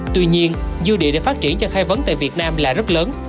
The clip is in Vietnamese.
tuy nhiên dư địa để phát triển cho khai vấn tại việt nam là rất lớn